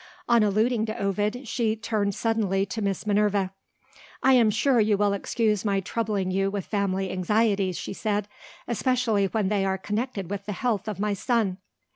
On alluding to Ovid, she turned suddenly to Miss Minerva. "I am sure you will excuse my troubling you with family anxieties," she said "especially when they are connected with the health of my son."